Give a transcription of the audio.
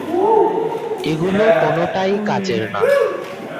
এগুলো কোনোটাই কাজের না।